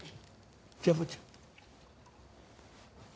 じゃあ坊ちゃん。